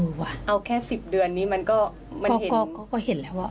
เออว่ะเอาแค่สิบเดือนนี้มันก็มันเห็นก็ก็ก็เห็นแล้วอ่ะ